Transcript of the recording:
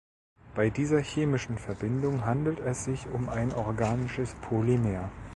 Bei dieser chemischen Verbindung handelt es sich um ein organisches Polymer.